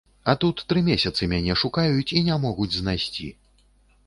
А тут тры месяцы мяне шукаюць і не могуць знайсці.